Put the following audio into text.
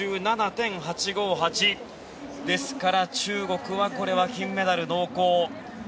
ですから中国は金メダル濃厚。